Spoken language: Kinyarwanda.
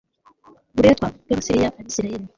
buretwa bw abasiriya abisirayeli